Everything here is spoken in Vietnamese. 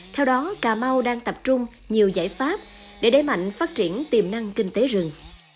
theo đó cà mau đang tập trung nhiều giải pháp để đẩy mạnh phát triển tiềm năng kinh tế rừng